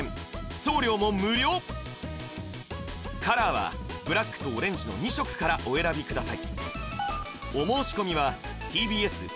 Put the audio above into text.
送料も無料カラーはブラックとオレンジの２色からお選びください